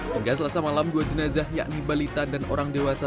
hingga selasa malam dua jenazah yakni balita dan orang dewasa